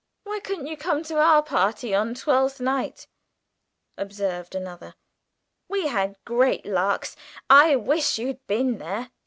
"Why couldn't you come to our party on Twelfth night?" asked another. "We had great larks. I wish you'd been there!"